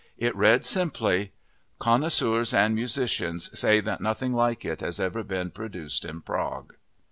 It read simply: "Connoisseurs and musicians say that nothing like it has ever been produced in Prague."